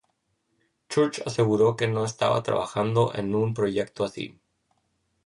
Church aseguró que no estaba trabajando en un proyecto así.